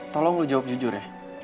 tolong lo jawab jujur ya